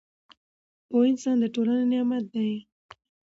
پوه انسان د ټولنې نعمت دی